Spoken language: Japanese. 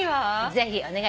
ぜひお願い